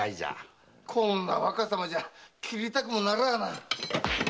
こんな若さまじゃ斬りたくもならあな。